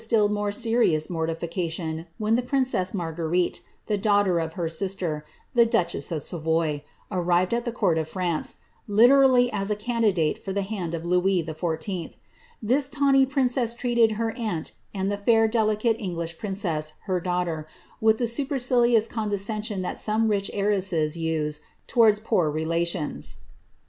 I6t more serious mortification when the princess Bfarguerite, the er of her sister, the duchess of Savoy, amTed at the court of , literally as a candidate for the hand of Louis XIV. This tawny M treated her aunt and tlie fair, delicate, English princess, her er, with the supercilious condescensioa that some rich heiresses imds poor relations.